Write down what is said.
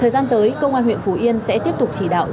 thời gian tới công an huyện phú yên sẽ tiếp tục chỉ đạo